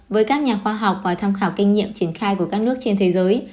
với các nhà khoa học và tham khảo kinh nghiệm triển khai của các nước trên thế giới